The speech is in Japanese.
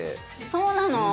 そうなの？